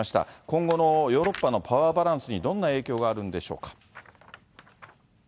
今後のヨーロッパのパワーバランスにどんな影響があるんでしょう